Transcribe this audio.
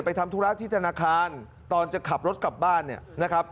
ทำธุระที่ธนาคารตอนจะขับรถกลับบ้านเนี่ยนะครับ